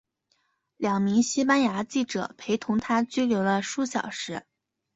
两名西班牙记者陪同她拘留了数小时。